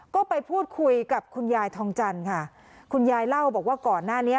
ก็ไปพูดคุยกับคุณยายทองจันทร์ค่ะคุณยายเล่าบอกว่าก่อนหน้านี้